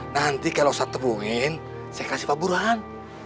nanti kalau usah tepungin saya kasih pak buruhan